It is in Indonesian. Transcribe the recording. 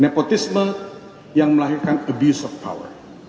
nepotisme yang melahirkan abuse of power